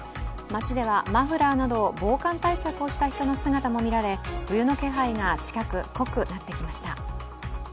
街では、マフラーなど防寒対策をした人の姿も見られ冬の気配が近く濃くなってきました。